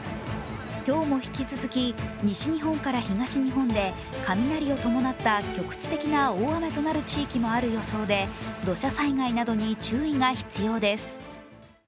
今日も引き続き、西日本から東日本で雷を伴った局地的な大雨となる地域もある予想で土砂災害などに注意が必要です。